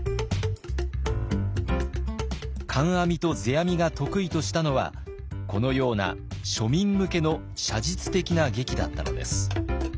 観阿弥と世阿弥が得意としたのはこのような庶民向けの写実的な劇だったのです。